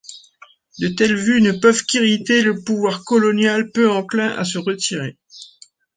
De telles vues ne peuvent qu’irriter le pouvoir colonial peu enclin à se retirer.